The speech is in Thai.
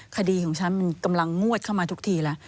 คดีของฉันมันกำลังงวดเข้ามาทุกทีแล้ว